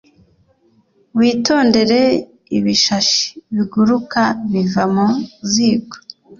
witondere ibishashi biguruka biva mu ziko